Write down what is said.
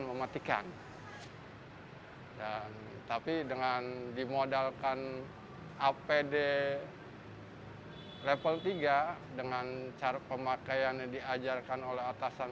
mematikan dan tapi dengan dimodalkan apd level tiga dengan cara pemakaian yang diajarkan oleh atasan